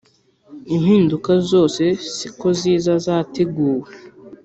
impinduka zose siko ziza zateguje